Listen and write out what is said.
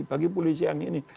bagi polisi yang ini